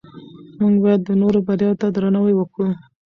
موږ باید د نورو بریا ته درناوی وکړو